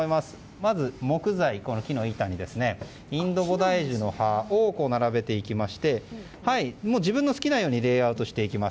まず木材、木の板にインドボタイジュの葉を並べていきまして自分の好きなようにレイアウトしていきます。